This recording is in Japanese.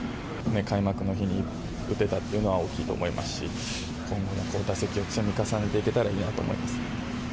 開幕の日に打てたっていうのは大きいと思いますし、今後も打席を積み重ねていけたらいいなと思います。